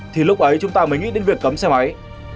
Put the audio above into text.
thì lúc ấy chúng ta mới nghĩ đến việc cấm xe máy